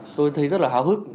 tôi thấy rất là hào hức